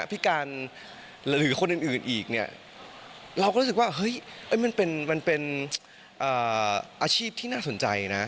พิการหรือคนอื่นอีกเนี่ยเราก็รู้สึกว่าเฮ้ยมันเป็นอาชีพที่น่าสนใจนะ